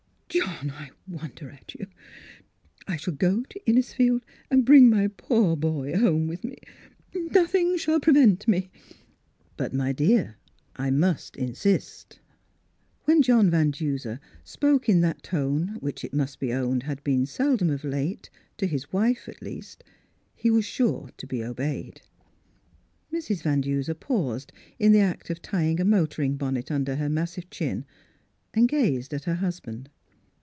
John, I wonder at you ! I shall go to In nisfield and bring my poor boy home with me. Nothing shall prevent me." " But, my dear, I must insist." When John Van Duser spoke in that tone, which it must be owned had been seldom of late, to his wife, at least, he was sure to be obeyed. Mrs. Van Duser paused in the act of tying a motoring bonnet under her mas sive chin and gazed at her husband.